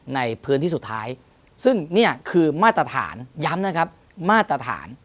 ในพื้นที่สุดท้ายซึ่งนี่คือมาตรฐานย้ำนะครับมาตรฐาน